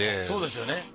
そうですよね。